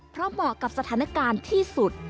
เพราะเหมาะกับสถานการณ์ที่สุด